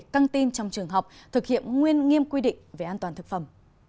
căng tin trong trường học thực hiện nguyên nghiêm quy định về an toàn thực phẩm